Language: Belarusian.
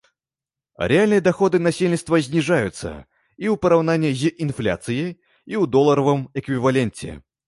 Рэальныя даходы насельніцтва зніжаюцца і ў параўнанні з інфляцыяй, і ў доларавым эквіваленце.